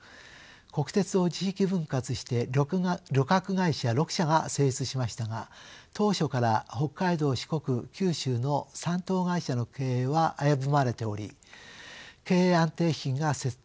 国鉄を地域分割して旅客会社６社が成立しましたが当初から北海道四国九州の３島会社の経営は危ぶまれており経営安定基金が設定されました。